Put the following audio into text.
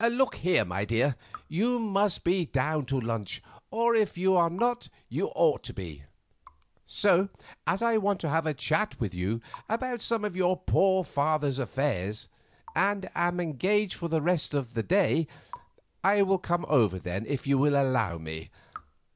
"Look here, my dear, you must be down to lunch, or if you are not you ought to be; so, as I want to have a chat with you about some of your poor father's affairs, and am engaged for the rest of the day, I will come over then if you will allow me."